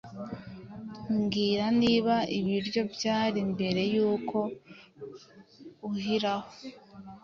Mbwira, niba ibiryo byari mbere yuko uhiraho